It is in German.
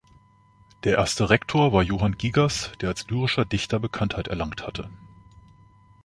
Der erste Rektor war Johann Gigas, der als lyrischer Dichter Bekanntheit erlangt hatte.